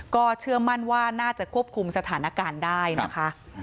ก็เชื่อมั่นว่าน่าจะควบคุมสถานการณ์ได้นะคะ